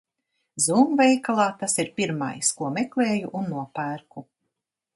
Zūm veikalā tas ir pirmais, ko meklēju un nopērku.